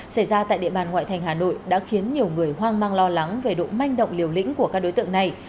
xảy ra tại địa bàn ngoại thành hà nội đã khiến nhiều người hoang mang lo lắng về độ manh động liều lĩnh của các đối tượng này